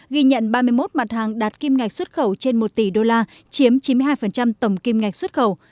ghi nhận ba mươi một mặt hàng đạt kim ngạch xuất khẩu trên một tỷ đô la chiếm chín mươi hai tổng kim ngạch xuất khẩu